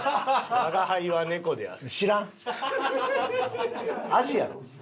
「吾輩は猫である」。